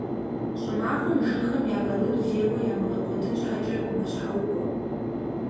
Щӏымахуэм жыгхэм я къарур лейуэ ямыгъэкӏуэдын щхьэкӏэ «мэщхьэукъуэ».